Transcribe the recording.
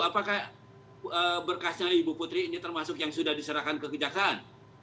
apakah berkasnya ibu putri ini termasuk yang sudah diserahkan ke kejaksaan